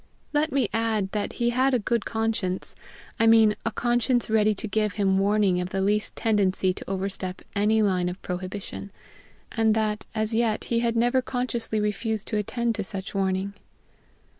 Let me add that he had a good conscience I mean, a conscience ready to give him warning of the least tendency to overstep any line of prohibition; and that, as yet, he had never consciously refused to attend to such warning.